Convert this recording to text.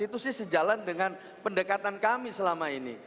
itu sih sejalan dengan pendekatan kami selama ini